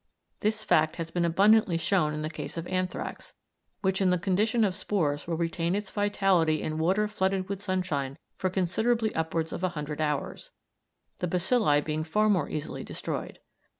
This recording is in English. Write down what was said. This fact has been abundantly shown in the case of anthrax, which in the condition of spores will retain its vitality in water flooded with sunshine for considerably upwards of a hundred hours, the bacilli being far more easily destroyed.